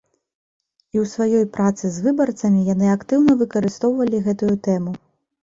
І ў сваёй працы з выбарцамі яны актыўна выкарыстоўвалі гэтую тэму.